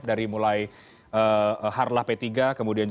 terima kasih pak